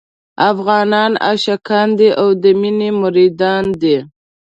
افغانان عاشقان دي او د مينې مريدان دي.